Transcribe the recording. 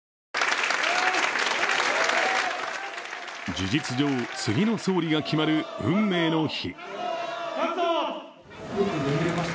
事実上、次の総理が決まる運命の日。